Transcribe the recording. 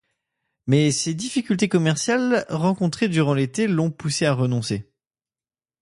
Mais ses difficultés commerciales rencontrées durant l'été l'ont poussé à renoncer.